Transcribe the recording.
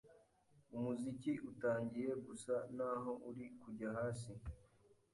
umuziki utangiye gusa naho uri kujya hasi